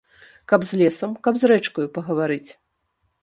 Каб з лесам, каб з рэчкаю пагаварыць.